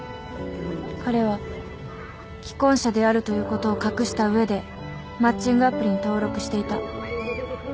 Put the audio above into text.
彼は既婚者であるということを隠した上でマッチングアプリに登録していた。